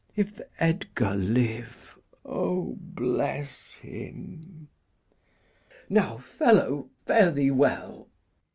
If Edgar live, O, bless him! Now, fellow, fare thee well.